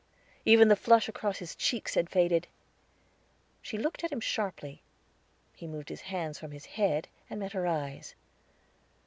Even the flush across his cheeks had faded. She looked at him sharply; he moved his hands from his head, and met her eyes.